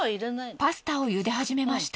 パスタをゆで始めました。